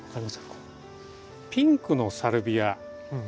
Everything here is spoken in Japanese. このピンクのサルビア。